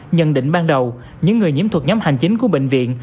nhận định ban đầu những người nhiễm thuộc nhóm hành chính của bệnh viện